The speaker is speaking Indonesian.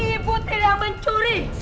ibu tidak mencuri